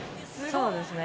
そうですね。